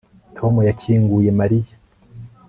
Tom yakinguye Mariya